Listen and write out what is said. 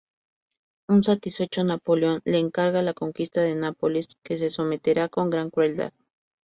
Un satisfecho Napoleón le encarga la conquista de Nápoles, que someterá con gran crueldad.